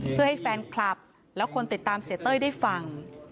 เพื่อให้แฟนคลับและคนติดตามเสียเต้ยได้ฟัง